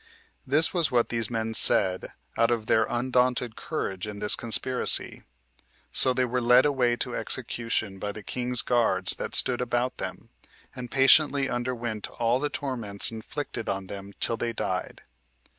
This was what these men said, out of their undaunted courage in this conspiracy. So they were led away to execution by the king's guards that stood about them, and patiently underwent all the torments inflicted on them till they died.